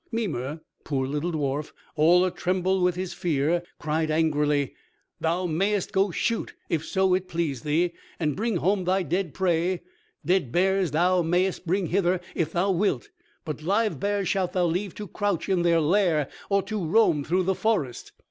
Mimer, poor little dwarf, all a tremble with his fear, cried angrily, "Thou mayest go shoot if so it please thee, and bring home thy dead prey. Dead bears thou mayest bring hither if thou wilt, but live bears shalt thou leave to crouch in their lair or to roam through the forest."